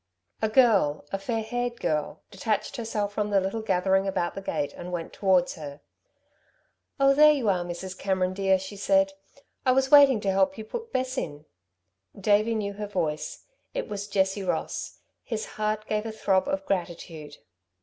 A girl a fair haired girl detached herself from the little gathering about the gate and went towards her. "Oh, there you are, Mrs. Cameron, dear," she said. "I was waiting to help you put Bess in!" Davey knew her voice. It was Jessie Ross. His heart gave a throb of gratitude.